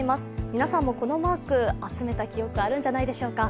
皆さんもこのマーク、集めた記憶、あるんじゃないでしょうか。